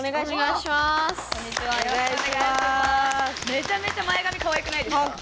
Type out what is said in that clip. めちゃめちゃ前髪かわいくないですか？